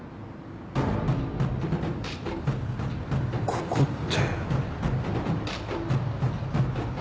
ここって。